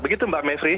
begitu mbak mevri